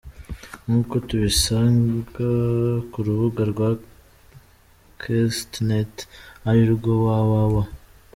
Nk’uko tubisanga ku rubuga rwa Quest net arirwo www.